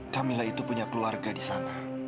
camilla itu punya keluarga disana